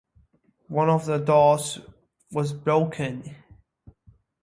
One of the doors was broken.